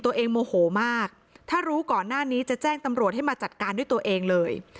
โมโหมากถ้ารู้ก่อนหน้านี้จะแจ้งตำรวจให้มาจัดการด้วยตัวเองเลย